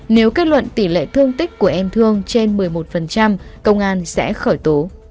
nếu kết luận tỷ lệ thương tích của em thương trên một mươi một công an sẽ khởi tố